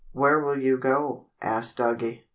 "Where will you go?" asked Doggie.